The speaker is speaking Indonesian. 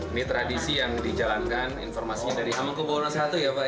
ini tradisi yang dijalankan informasinya dari hamangkubwono i ya pak